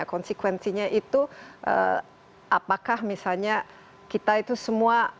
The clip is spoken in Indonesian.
konsekuensinya itu apakah misalnya kita itu semua